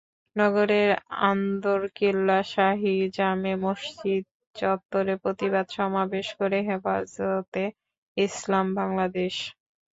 নগরের আন্দরকিল্লা শাহি জামে মসজিদ চত্বরে প্রতিবাদ সমাবেশ করে হেফাজতে ইসলাম বাংলাদেশ।